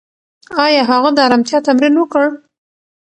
ایا هغه د ارامتیا تمرین وکړ؟